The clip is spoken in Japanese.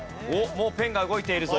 もうペンが動いているぞ。